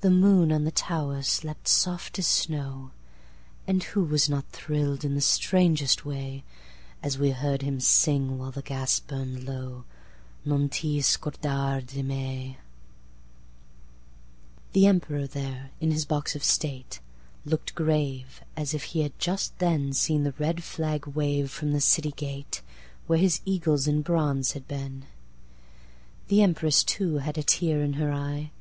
The moon on the tower slept soft as snow:And who was not thrill'd in the strangest way, As we heard him sing, while the gas burn'd low,"Non ti scordar di me"?The Emperor there, in his box of state, Look'd grave, as if he had just then seenThe red flag wave from the city gateWhere his eagles in bronze had been. The Empress, too, had a tear in her eye.